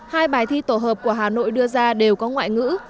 hai bài thi tổ hợp của hà nội đưa ra đều có ngoại ngữ